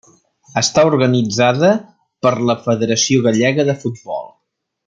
Està organitzada per la Federació Gallega de Futbol.